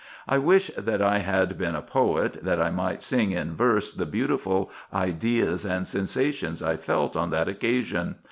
I wish that I had been a poet, that I might sing in verse the beautiful ideas and sensations I felt on that occasion.